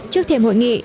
trước thềm hội nghị